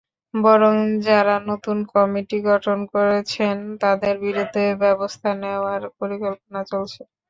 বরং যাঁরা নতুন কমিটি গঠন করেছেন, তাঁদের বিরুদ্ধে ব্যবস্থা নেওয়ার পরিকল্পনা চলছে।